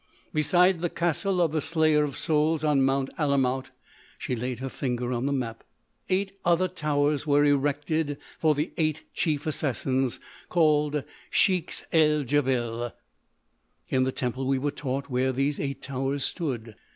"Beside the castle of the Slayer of Souls on Mount Alamout——" she laid her finger on the map—"eight other towers were erected for the Eight Chief Assassins, called Sheiks el Djebel. "In the temple we were taught where these eight towers stood."